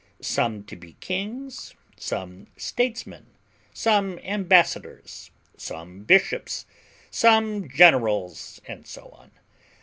some to be kings, some statesmen, some ambassadors, some bishops, some generals, and so on.